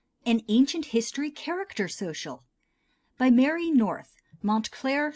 An Ancient History Character Social BY MARY NORTH, MONTCLAIR, N.